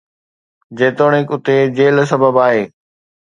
جيتوڻيڪ اتي جيل سبب آهي